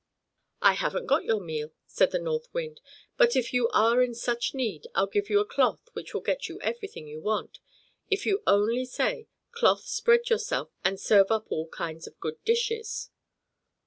"I haven't got your meal," said the North Wind; "but if you are in such need, I'll give you a cloth which will get you everything you want, if you only say, 'Cloth, spread yourself, and serve up all kinds of good dishes!'"